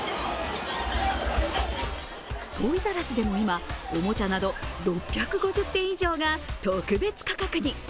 トイザらスでも今、おもちゃなど６５０点以上が特別価格に。